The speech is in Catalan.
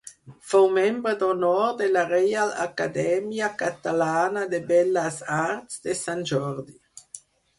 Fou membre d'honor de la Reial Acadèmia Catalana de Belles Arts de Sant Jordi.